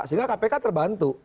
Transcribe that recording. sehingga kpk terbantu